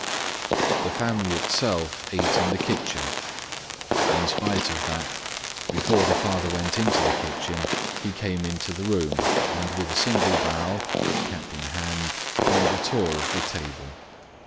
The family itself ate in the kitchen. In spite of that, before the father went into the kitchen, he came into the room and with a single bow, cap in hand, made a tour of the table.